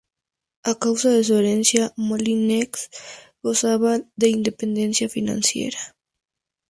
A causa de su herencia, Molyneux gozaba de independencia financiera.